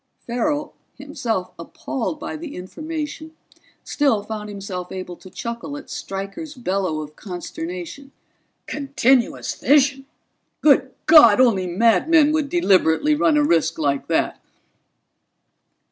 Farrell, himself appalled by the information, still found himself able to chuckle at Stryker's bellow of consternation. "Continuous fission? Good God, only madmen would deliberately run a risk like that!"